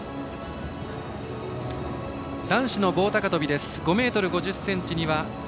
男子の棒高跳びです。